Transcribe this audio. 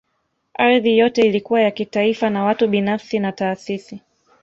Ardhi yote ilikuwa ya kitaifa na watu binafsi na taasisi